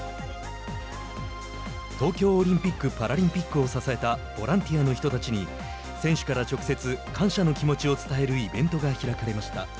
東京オリンピック・パラリンピックを支えたボランティアの人たちに選手から、直接感謝の気持ちを伝えるイベントが開かれました。